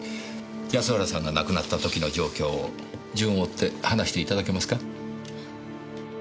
安原さんが亡くなったときの状況を順を追って話して頂けますか？